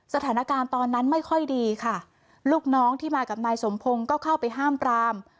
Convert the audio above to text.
สถานการณ์ตอนนั้นไม่ค่อยดีค่ะลูกน้องที่มากับนายสมพงศ์ก็เข้าไปห้ามปราม